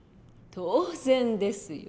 当然ですよ。